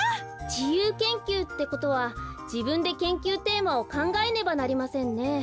じゆう研究ってことはじぶんで研究テーマをかんがえねばなりませんね。